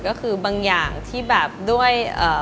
ก็คือบางอย่างที่แบบด้วย